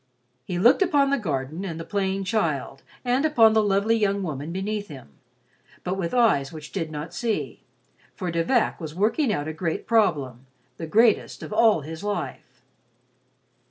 He looked upon the garden and the playing child, and upon the lovely young woman beneath him, but with eyes which did not see, for De Vac was working out a great problem, the greatest of all his life.